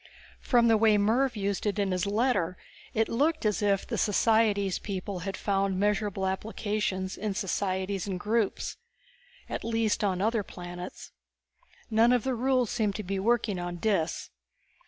From the way Mervv used it in his letter it looked as if the societics people had found measurable applications in societies and groups. At least on other planets. None of the rules seemed to be working on Dis.